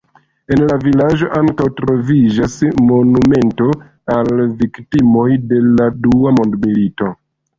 En la vilaĝo ankaŭ troviĝas monumento al viktimoj de la dua mondmilito.